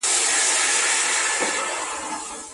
له غيرت نه موږ ځانګړې جګړه ييزه مانا اخلو